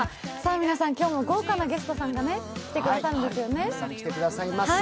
皆さん今日も豪華なゲストさんが来てくださいます。